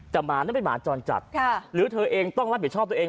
แต่หมานั้นเป็นหมาจรจัดหรือเธอเองต้องรับผิดชอบตัวเอง